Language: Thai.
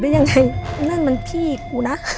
ยังไงนั่นมันพี่กูนะ